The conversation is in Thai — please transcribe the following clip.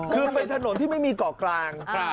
คือเป็นถนนที่ไม่มีเกาะกลาง